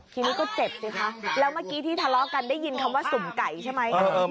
ทีนี้ก็เจ็บสิคะแล้วเมื่อกี้ที่ทะเลาะกันได้ยินคำว่าสุ่มไก่ใช่ไหม